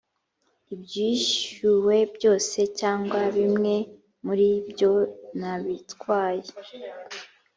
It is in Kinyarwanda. ibyishyuwe byose cyangwa bimwe muri byo nabitwaye